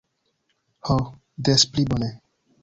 Ho, des pli bone.